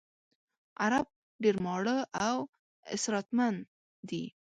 عرب ډېر ماړه او اسراتمن دي.